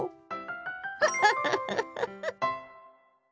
フフフフフ。